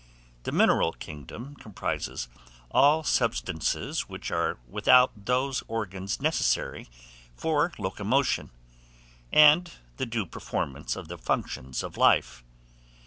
The Mineral Kingdom comprises all substances which are without those organs necessary to locomotion, and the due performance of the functions of life.